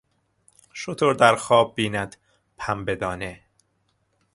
شتر در خواب بیند پنبه دانه...